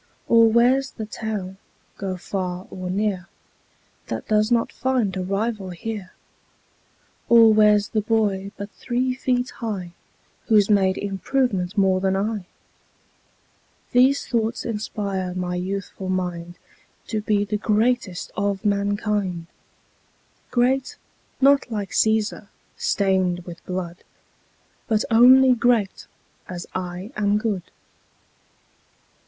Or where's the town, go far or near, That does not find a rival here? Or where's the boy but three feet high Who's made improvement more than I? These thoughts inspire my youthful mind To be the greatest of mankind: Great, not like Cæsar, stained with blood, But only great as I am good.